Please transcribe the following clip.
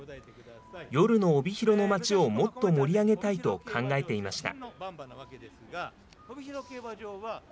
夜の帯広の街をもっと盛り上げたいと考えていました。